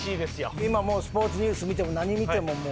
今もうスポーツニュース見ても何見てももう。